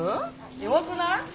弱くない？